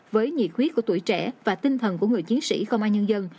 với nhị quyết của tuổi trẻ và tinh thần của người chiến sĩ công an nhân dân